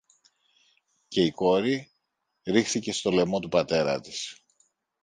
και η κόρη ρίχθηκε στο λαιμό του πατέρα της